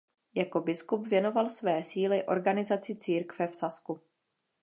Jako biskup věnoval své síly organizaci církve v Sasku.